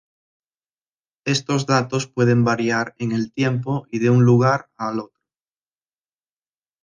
Estos datos pueden variar en el tiempo y de un lugar al otro.